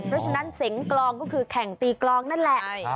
เพราะฉะนั้นเสียงกลองก็คือแข่งตีกลองนั่นแหละ